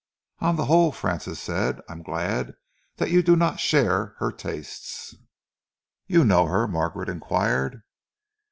"On the whole," Francis said, "I am glad that you do not share her tastes." "You know her?" Margaret enquired.